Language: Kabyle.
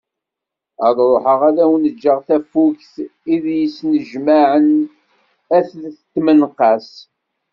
Ad ruḥeγ ad awen-ğğeγ tafugt i d yesnejmaԑen at n tmenqas.